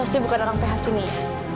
pasti bukan orang ph sini ya